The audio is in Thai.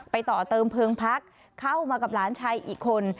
ต่อเติมเพลิงพักเข้ามากับหลานชายอีกคน